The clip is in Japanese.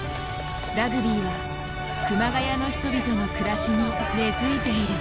ラグビーは熊谷の人々の暮らしに根づいている。